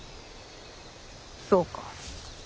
そうか。